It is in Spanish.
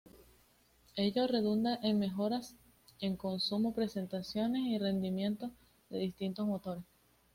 Ello redunda en mejoras en consumo, prestaciones y rendimiento de distintos motores.